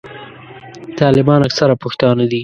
طالبان اکثره پښتانه دي.